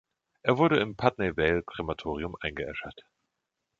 Er wurde im Putney Vale Krematorium eingeäschert.